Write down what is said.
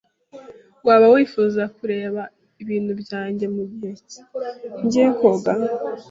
Waba wifuza kureba ibintu byanjye mugihe ngiye koga?